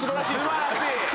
素晴らしい！